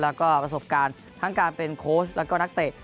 แล้วก็ประสบการณ์ทั้งการเป็นโค้ชแล้วก็นักเตะ